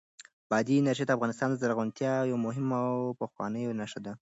بادي انرژي د افغانستان د زرغونتیا یوه مهمه او پخوانۍ نښه ده.